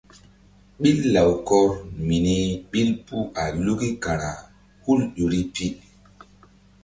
Ɓil lawkɔr mini ɓil puh a luki kara hul ƴo ri pi.